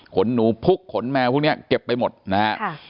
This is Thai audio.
ขนหนูพุกขนแมวพวกเนี่ยเก็บไปหมดนะครับ